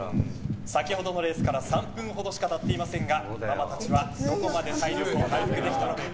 先ほどのレースから３分ほどしか経っていませんがママたちはどこまで体力を回復できたのか。